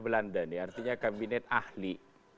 belanda artinya kabinet ahli